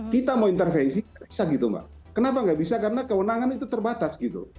kita mau intervensi bisa gitu mbak kenapa nggak bisa karena kewenangan itu terbatas gitu